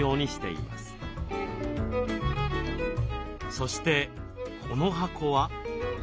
そしてこの箱は？